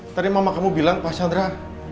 tadi mama kamu bilang pak chandra